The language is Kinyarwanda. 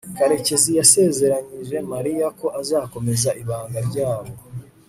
karekezi yasezeranyije mariya ko azakomeza ibanga ryabo